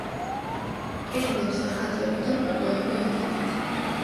კედლებზე ხატები და ფოტოები ეკიდა.